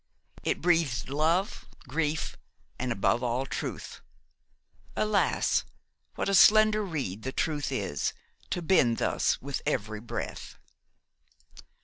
It breathed love, grief, and, above all, truth. Alas! what a slender reed the truth is, to bend thus with every breath!